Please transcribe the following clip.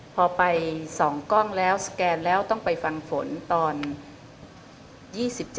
พอไปสองก้องแล้วสแกนแล้วต้องไปฟังผลตอน๒๗เมษี